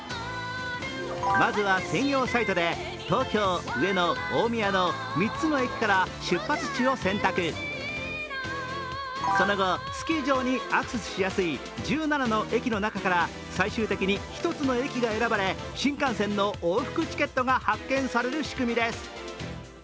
まずは専用サイトで東京、上野、大宮の３つの駅から出発地を選択、その後スキー場にアクセスしやすい１７の駅の中から最終的に１つの駅が選ばれ新幹線の往復チケットが発券される仕組みです。